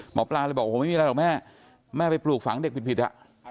หมอปลาเลยบอกโอ้โหไม่มีอะไรหรอกแม่แม่ไปปลูกฝังเด็กผิดอ่ะ